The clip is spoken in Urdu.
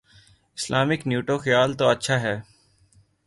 اسلامک نیٹو: خیال تو اچھا ہے۔